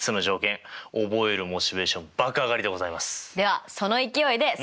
覚えるモチベーション爆上がりでございます！